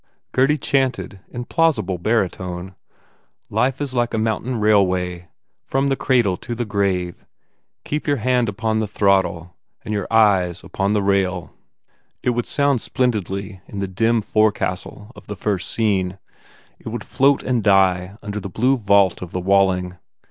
Gurdy chanted in plausible barytone. "Life is like a mountain rail way, From the cradle to the grave. Keep yoh hand upon the throttle An yoh eyes upon the rail. ..." It would sound splendidly in the dim fore castle of the first scene. It would float and die under the blue vault of the Walling.